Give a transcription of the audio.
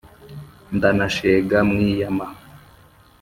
ndanashega mwiyama